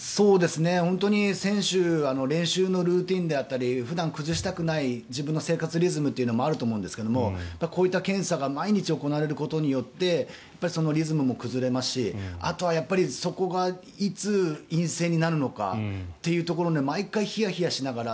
本当に選手は練習のルーティンだったり普段崩したくない自分の生活リズムというのもあると思いますがこういった検査が毎日行われることによってそのリズムも崩れますしあとはそこがいつ陰性になるのかというところで毎回ヒヤヒヤしながら。